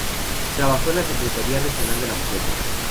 Trabajó en la Secretaría Regional de la Mujer.